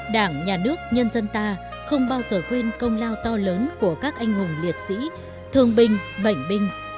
đảng nhà nước nhân dân ta không bao giờ quên công lao to lớn của các anh hùng liệt sĩ thương binh bệnh binh